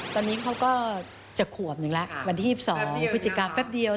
ตอนนี้เขาก็จะขวบหนึ่งแล้ววันที่๒๒พฤศจิกาแป๊บเดียว